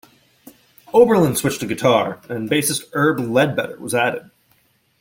Oberlin switched to guitar and bassist Herb Ledbetter was added.